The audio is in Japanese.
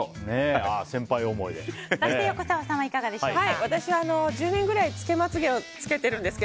そして横澤さんはいかがでしょうか。